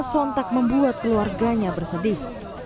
sontak membuat keluarganya bersedih